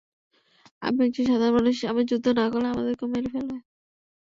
আমি একজন সাধারণ মানুষ, আমি যুদ্ধ না করলে, আমাদেরকেও মেরে ফেলবে।